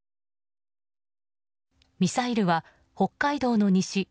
ミサイルは北海道の西